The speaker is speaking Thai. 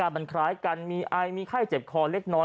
มันคล้ายกันมีไอมีไข้เจ็บคอเล็กน้อย